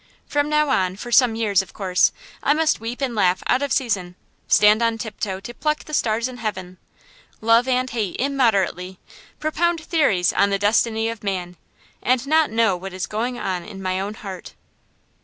From now on, for some years, of course, I must weep and laugh out of season, stand on tiptoe to pluck the stars in heaven, love and hate immoderately, propound theories of the destiny of man, and not know what is going on in my own heart.